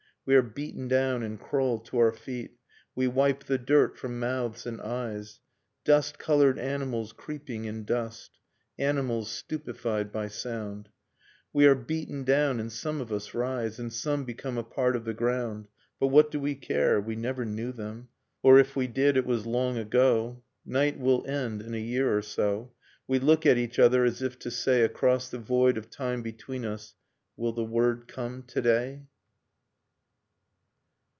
We are beaten down and crawl to our feet, We wipe the dirt from mouths and eyes. Dust colored animals creeping in dust. Animals stupefied by sound; Nocturne of Remembered Spring We are beaten down, and some of us rise, And some become a part of the ground, But what do we care ? we never knew them, Or if we did it was long ago. .. Night will end in a year or so, We look at each other as if to say, Across the void of time between us, *Will the word come to day?